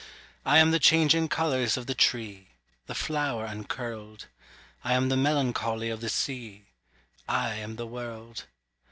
I am the changing colours of the tree; The flower uncurled: I am the melancholy of the sea; I am the world.